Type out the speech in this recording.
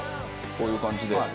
こういう感じで？